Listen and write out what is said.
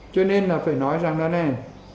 cho nên là phải nói rằng đó này